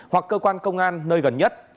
hoặc cơ quan công an nơi gần nhất